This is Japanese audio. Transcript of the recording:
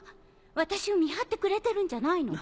私を見張ってくれてるんじゃないの？